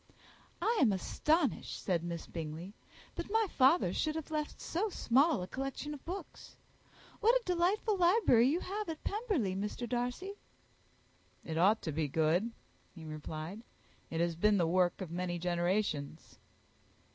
"I am astonished," said Miss Bingley, "that my father should have left so small a collection of books. What a delightful library you have at Pemberley, Mr. Darcy!" "It ought to be good," he replied: "it has been the work of many generations."